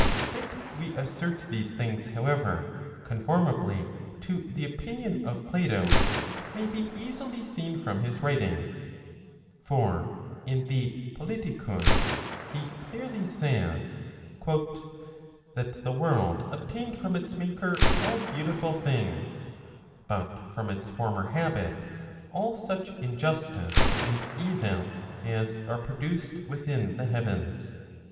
That we assert these things however, conformably to the opinion of Plato, may be easily seen from his writings. For in the Politicus, he clearly says, " that the world obtained from 1 its maker all beautiful things, but from its former habit, all such injustice and evil, as are produced within the heavens."